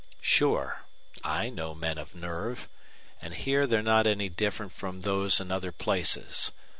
"Sure. I know men of nerve. And here they're not any different from those in other places.